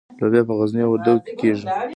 الوبالو په غزني او وردګو کې کیږي.